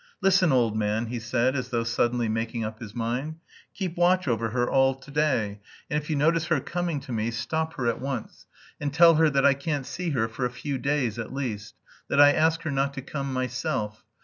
"Listen, old man," he said, as though suddenly making up his mind. "Keep watch over her all to day, and if you notice her coming to me, stop her at once, and tell her that I can't see her for a few days at least... that I ask her not to come myself....